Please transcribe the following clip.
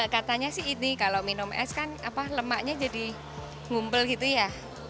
katanya sih ini kalau minum es kan lemaknya jadi ngumpul gitu ya